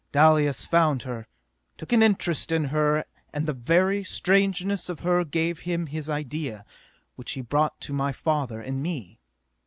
Dalis found her, took an interest in her, and the very strangeness of her gave him his idea, which he brought to my father and me.